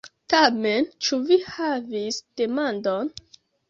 Tamen, ĉu vi havis demandon?